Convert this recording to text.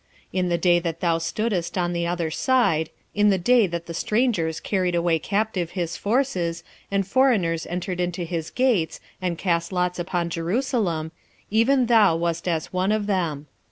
1:11 In the day that thou stoodest on the other side, in the day that the strangers carried away captive his forces, and foreigners entered into his gates, and cast lots upon Jerusalem, even thou wast as one of them.